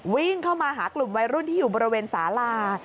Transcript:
วิ่งเข้ามาหากลุ่มวัยรุ่นที่อยู่บริเวณสาลา